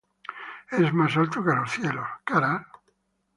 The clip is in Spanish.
Es más alto que los cielos: ¿qué harás?